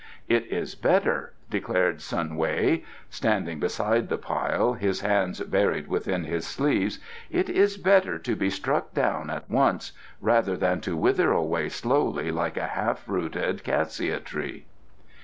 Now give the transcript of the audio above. "It is better," declared Sun Wei, standing beside the pile, his hands buried within his sleeves "it is better to be struck down at once, rather than to wither away slowly like a half uprooted cassia tree."